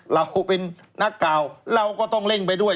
เราเป็นนักกล่าวเราก็ต้องเร่งไปด้วย